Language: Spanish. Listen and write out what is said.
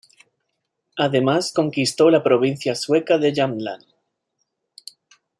Además conquistó la provincia sueca de Jämtland.